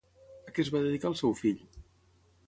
A què es va dedicar el seu fill?